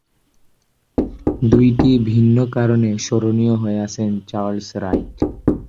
দুইটি ভিন্ন কারণে স্মরণীয় হয়ে আছেন চার্লস রাইট।